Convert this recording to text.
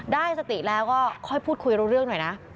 ได้สติแล้วก็ค่อยพูดคุยรู้เรื่องหน่อยนะ